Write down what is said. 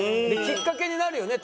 きっかけになるよね